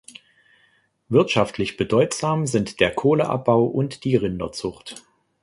Wirtschaftlich bedeutsam sind der Kohleabbau und die Rinderzucht.